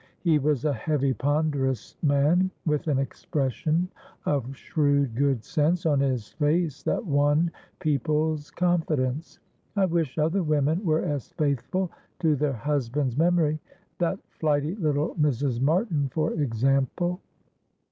He was a heavy, ponderous man, with an expression of shrewd good sense on his face that won people's confidence. "I wish other women were as faithful to their husband's memory, that flighty little Mrs. Martin, for example."